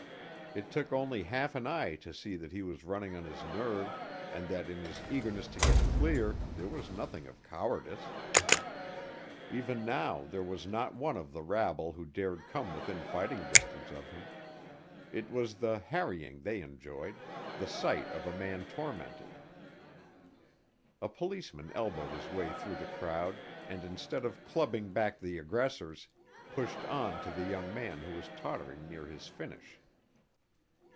It took only half an eye to see that he was running on his nerve and that in his eagerness to get clear, there was nothing of cowardice. Even now there was not one of the rabble who dared come within fighting distance of him. It was the harrying they enjoyed the sight of a man tormented. A policeman elbowed his way through the crowd and instead of clubbing back the aggressors, pushed on to the young man who was tottering near his finish.